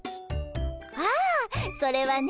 ああそれはね